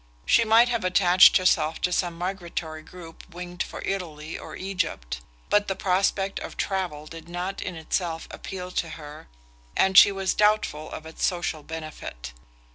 She might have attached herself to some migratory group winged for Italy or Egypt; but the prospect of travel did not in itself appeal to her, and she was doubtful of its social benefit.